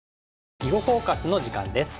「囲碁フォーカス」の時間です。